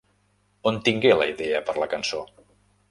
On tingué la idea per la cançó?